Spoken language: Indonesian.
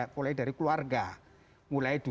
mulai dari keluarga mulai